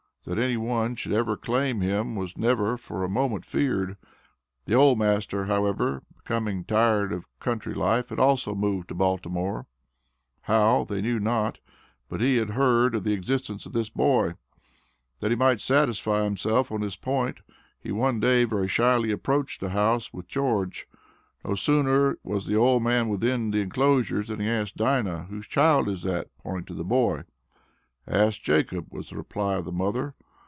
That any one should ever claim him was never for a moment feared. The old master, however, becoming tired of country life, had also moved to Baltimore. How, they knew not, but he had heard of the existence of this boy. That he might satisfy himself on this point, he one day very slyly approached the house with George. No sooner was the old man within the enclosures than he asked Dinah, "Whose child is that?" pointing to the boy. "Ask Jacob," was the reply of the mother.